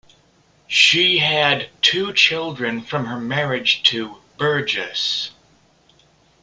She had two children from her marriage to Burgess.